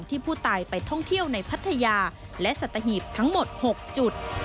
ที่ผู้ตายไปท่องเที่ยวในพัทยาและสัตหีบทั้งหมด๖จุด